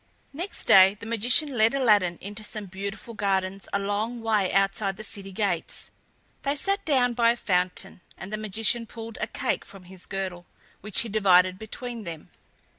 Next day the magician led Aladdin into some beautiful gardens a long way outside the city gates. They sat down by a fountain and the magician pulled a cake from his girdle, which he divided between them.